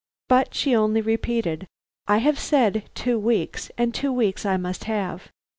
But she only repeated: "I have said two weeks, and two weeks I must have.